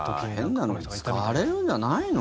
変なのに使われるんじゃないの？